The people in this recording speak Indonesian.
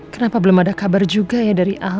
kenapa belum ada kabar juga ya dari awal